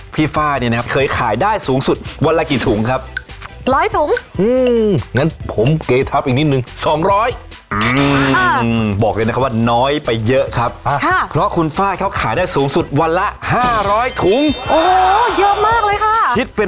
พี่ฝ้านี่นะครับเคยขายได้สูงสุดวันละกี่ถุงครับร้อยถุงอืมงั้นผม